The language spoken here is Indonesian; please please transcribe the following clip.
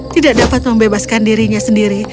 tidak dapat membebaskan dirinya sendiri